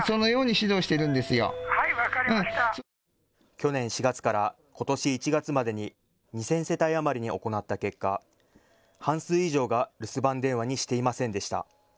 去年４月からことし１月までに２０００世帯余りに行った結果、半数以上が留守番電話にしていませんでした。